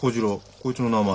こいつの名前。